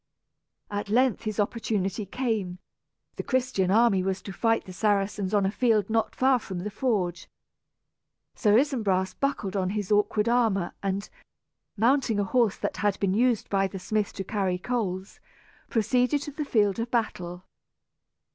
At length his opportunity came. The Christian army was to fight the Saracens on a field not far from the forge. Sir Isumbras buckled on his awkward armor and, mounting a horse that had been used by the smith to carry coals, proceeded to the field of battle.